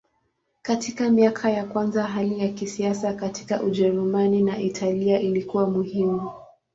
Katika miaka ya kwanza hali ya kisiasa katika Ujerumani na Italia ilikuwa muhimu.